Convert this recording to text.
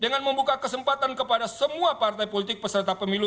dengan membuka kesempatan kepada semua partai politik peserta pemilu